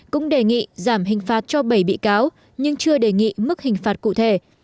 cũng đề nghị giảm hình phạt cho bảy bị cáo nhưng chưa đề nghị mức hình phạt cụ thể